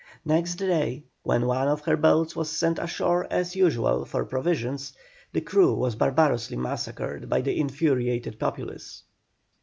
Next day, when one of her boats was sent ashore as usual for provisions, the crew was barbarously massacred by the infuriated populace.